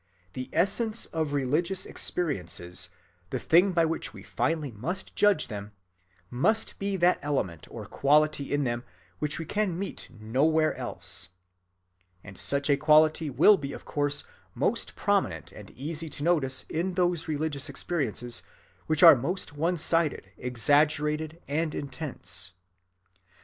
The essence of religious experiences, the thing by which we finally must judge them, must be that element or quality in them which we can meet nowhere else. And such a quality will be of course most prominent and easy to notice in those religious experiences which are most one‐ sided, exaggerated, and intense.